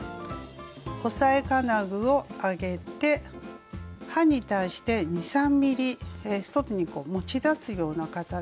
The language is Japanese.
押さえ金具を上げて刃に対して２３ｍｍ外に持ち出すような形にセットします。